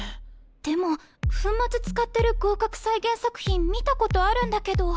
でも粉末使ってる合格再現作品見たことあるんだけど。